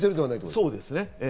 そうですね。